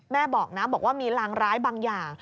แม่บอกนะบอกว่ามีรางร้ายบางอย่าง